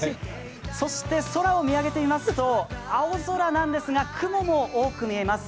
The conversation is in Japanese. そして空を見上げてみますと青空なんですが雲も多く見えます。